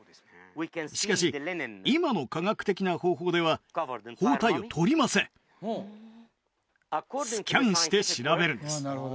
しかし今の科学的な方法では包帯を取りませんスキャンして調べるんです